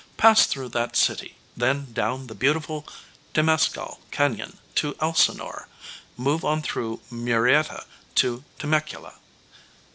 Pass through that city, then down the beautiful Temescal Canyon to Elsinore. Move on through Murrietta to Temecula.